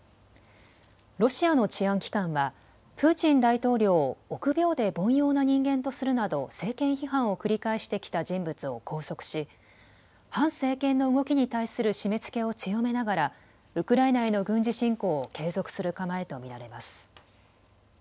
ロシアの治安機関はプーチン大統領を臆病で凡庸な人間とするなど政権批判を繰り返してきた人物を拘束し反政権の動きに対する締めつけを強めながらウクライナへの軍事侵攻を継続する構えと見られます。